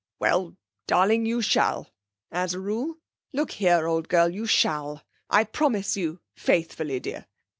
'Well, darling, you shall, as a rule. Look here, old girl, you shall. I promise you, faithfully, dear.